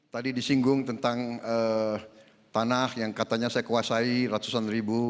tadi disinggung tentang tanah yang katanya saya kuasai ratusan ribu